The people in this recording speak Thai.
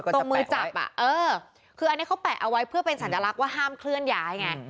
มือจับคืออันนี้เขาแปะเอาไว้เพื่อเป็นสัญลักษณ์ว่าห้ามเคลื่อนย้ายไง